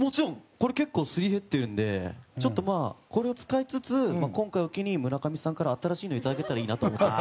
結構すり減ってるのでちょっと、これを使いつつ今回を機に村上さんから新しいのをいただけたらいいなと。